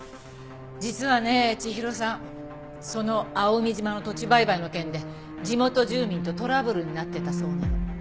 実はね千尋さんその蒼海島の土地売買の件で地元住民とトラブルになってたそうなの。